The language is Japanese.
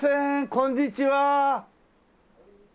こんにちは。